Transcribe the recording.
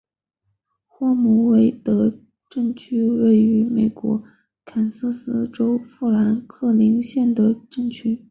霍姆伍德镇区为位在美国堪萨斯州富兰克林县的镇区。